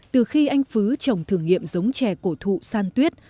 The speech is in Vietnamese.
từ khi anh phứ trồng thử nghiệm giống chè cổ thụ san tuyết